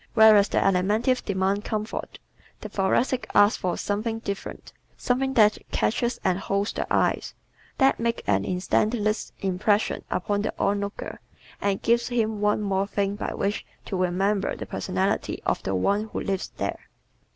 Whereas the Alimentives demand comfort, the Thoracics ask for "something different," something that catches and holds the eye that makes an instantaneous impression upon the onlooker and gives him one more thing by which to remember the personality of the one who lives there.